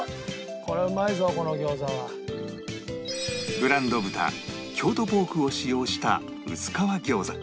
ブランド豚京都ぽーくを使用した薄皮餃子